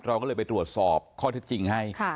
เราก็เลยไปตรวจสอบข้อเท็จจริงให้